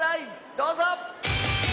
どうぞ！